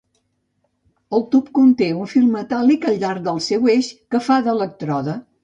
El tub conté un fil metàl·lic al llarg del seu eix que fa d'elèctrode.